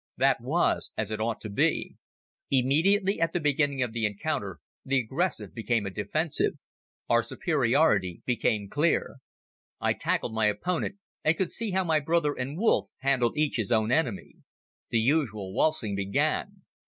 That was as it ought to be. Immediately at the beginning of the encounter the aggressive became a defensive. Our superiority became clear. I tackled my opponent and could see how my brother and Wolff handled each his own enemy. The usual waltzing began.